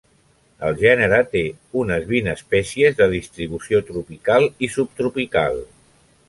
El gènere té unes vint espècies de distribució tropical i subtropical.